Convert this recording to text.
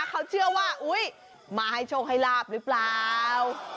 เขาเชื่อว่าอุ๊ยมาให้โชคให้ลาบหรือเปล่า